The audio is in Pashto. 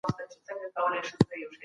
تاسو هر څه زده کولای سئ.